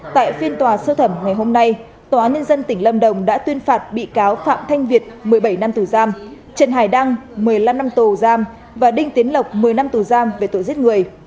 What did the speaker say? tại phiên tòa sơ thẩm ngày hôm nay tòa nhân dân tỉnh lâm đồng đã tuyên phạt bị cáo phạm thanh việt một mươi bảy năm tù giam trần hải đăng một mươi năm năm tù giam và đinh tiến lộc một mươi năm tù giam về tội giết người